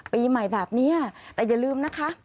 ปีใหม่แบบนี้แต่อย่าลืมนะคะ